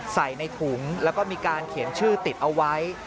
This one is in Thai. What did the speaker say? ใส่ในถุงแล้วก็มีการเขียนชื่อติดเอาไว้